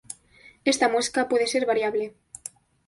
Esta muesca puede ser variable.